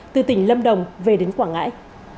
từ tỉnh lâm đồng về đến quảng ngãi